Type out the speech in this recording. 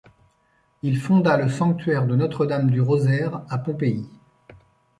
Il fonda le sanctuaire de Notre-Dame du Rosaire à Pompéi.